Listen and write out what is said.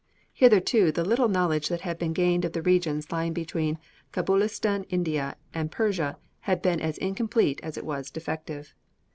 Hitherto the little knowledge that had been gained of the regions lying between Cabulistan, India, and Persia, had been as incomplete as it was defective.